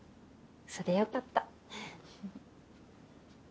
そりゃよかった。